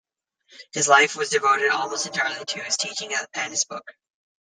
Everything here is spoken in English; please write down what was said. His life was devoted almost entirely to his teaching and his books.